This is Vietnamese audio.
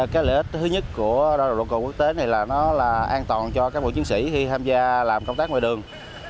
cái lợi ích thứ nhất của nồng độ cồn quốc tế này là nó là an toàn cho các bộ chiến sĩ khi tham gia làm công tác ngoài đường